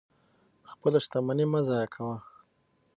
خپله شتمني مه ضایع کوئ.